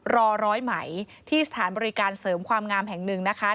รอร้อยไหมที่สถานบริการเสริมความงามแห่งหนึ่งนะคะ